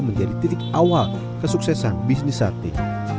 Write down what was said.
menjadi titik awal kesuksesan bisnis sate